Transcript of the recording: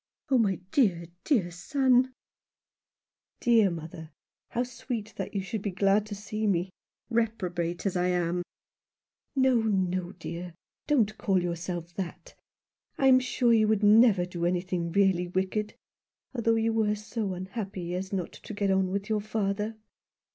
Oh, my dear, dear son !" 69 Rough Justice. "Dear mother, how sweet that you should be glad to see me — reprobate as I am !"" No, no, dear ; don't call yourself that. I'm sure you would never do anything really wicked — although you were so unhappy as not to get on with your father."